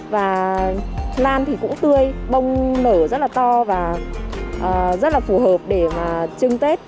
và lan thì cũng tươi bông nở rất là to và rất là phù hợp để mà chưng tết